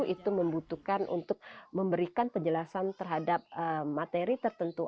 itu membutuhkan untuk memberikan penjelasan terhadap materi tertentu